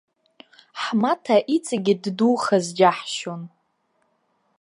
Ҳмаҭа иҵегьы ддухаз џьаҳшьон.